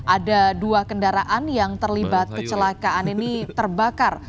ada dua kendaraan yang terlibat kecelakaan ini terbakar